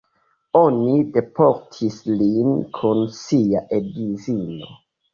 Oni deportis lin kun sia edzino.